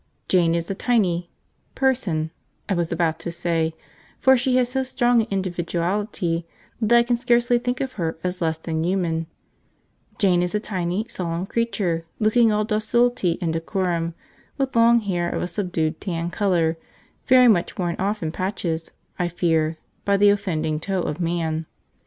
Jane is a tiny person, I was about to say, for she has so strong an individuality that I can scarcely think of her as less than human Jane is a tiny, solemn creature, looking all docility and decorum, with long hair of a subdued tan colour, very much worn off in patches, I fear, by the offending toe of man.